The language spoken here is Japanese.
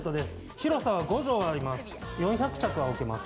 広さは５帖あります。